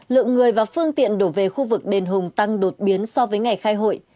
lượng người và phương tiện đổ về khu vực đền hùng tăng đột biến so với ngày khai hội